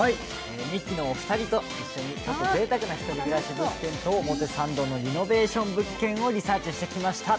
ミキのお二人とちょっとぜいたくな１人暮らし物件と表参道のリノベーション物件をリサーチしてきました。